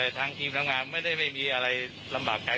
ทางทีมพลังงานไม่ได้ไม่มีอะไรลำบากใจ